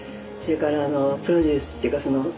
それからプロデュースっていうか